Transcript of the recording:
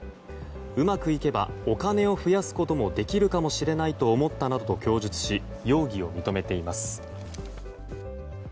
うまくいけばお金を増やすこともできるかもしれないと思ったと供述し、容疑を認めています。